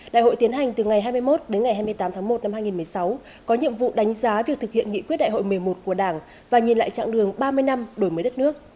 đại hội tiến hành từ ngày hai mươi một đến ngày hai mươi tám tháng một năm hai nghìn một mươi sáu có nhiệm vụ đánh giá việc thực hiện nghị quyết đại hội một mươi một của đảng và nhìn lại trạng đường ba mươi năm đổi mới đất nước